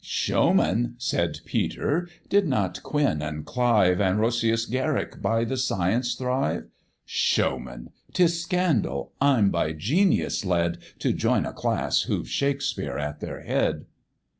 "Showman!" said Peter, "did not Quin and Clive, And Roscius Garrick, by the science thrive? Showman! 'tis scandal; I'm by genius led To join a class who've Shakspeare at their head."